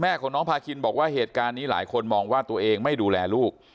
ของน้องพาคินบอกว่าเหตุการณ์นี้หลายคนมองว่าตัวเองไม่ดูแลลูก